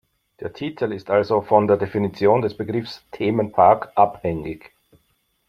Der Titel ist also von der Definition des Begriffs „Themenpark“ abhängig.